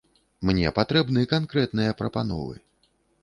Мне патрэбны канкрэтныя прапановы.